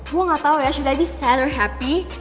gue gak tau ya should i be sad or happy